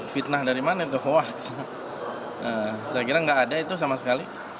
fitnah dari mana itu hoax saya kira nggak ada itu sama sekali